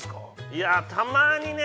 ◆いや、たまにね。